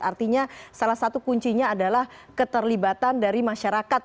artinya salah satu kuncinya adalah keterlibatan dari masyarakat